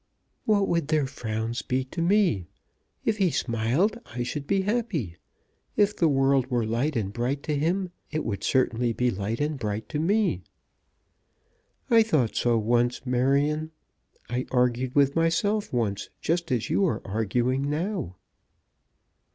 "What would their frowns be to me? If he smiled I should be happy. If the world were light and bright to him, it would certainly be light and bright to me." "I thought so once, Marion. I argued with myself once just as you are arguing now."